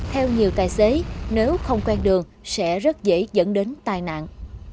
theo nhiều tài xế nếu không quen đường sẽ rất dễ dẫn đến tai nạn